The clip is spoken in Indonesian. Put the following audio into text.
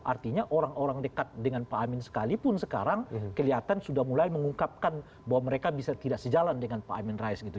artinya orang orang dekat dengan pak amin sekalipun sekarang kelihatan sudah mulai mengungkapkan bahwa mereka bisa tidak sejalan dengan pak amin rais gitu